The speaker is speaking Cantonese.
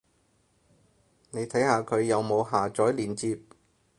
你睇下佢有冇下載連接